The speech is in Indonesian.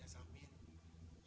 kamu suka bangkit